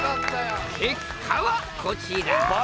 結果はこちら倍！